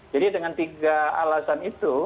jadi dengan tiga alasan itu